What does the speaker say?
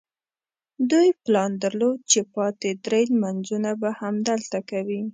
دوی پلان درلود چې پاتې درې لمونځونه به هم دلته کوي.